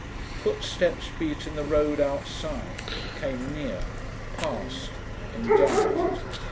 Footsteps beat in the road outside, came near, passed, and died.